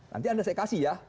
nanti anda saya kasih ya